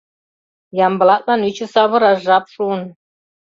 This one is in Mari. Ямблатлан ӱчӧ савыраш жап шуын...